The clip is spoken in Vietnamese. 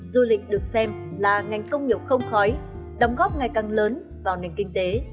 du lịch được xem là ngành công nghiệp không khói đóng góp ngày càng lớn vào nền kinh tế